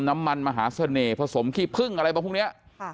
น้ำมันมหาเสน่ห์ผสมขี้พึ้งอะไรบางพวกนี้